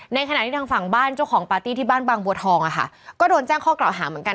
ในขณะที่ทางฝั่งบ้านเจ้าของปาร์ตี้ที่บ้านบางบัวทองอ่ะค่ะก็โดนแจ้งข้อกล่าวหาเหมือนกัน